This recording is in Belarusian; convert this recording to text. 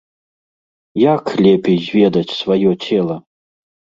Як лепей зведаць сваё цела?